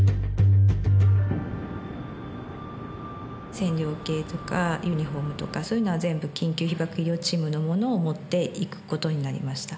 線量計とかユニフォームとかそういうのは全部緊急被ばく医療チームのものを持っていくことになりました。